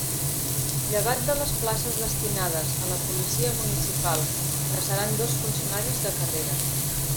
Llevat de les places destinades a la Policia Municipal que seran dos funcionaris de carrera.